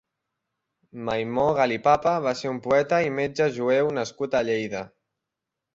Maimó Gallipapa va ser un poeta i metge jueu nascut a Lleida.